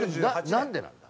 「なんでなんだ」？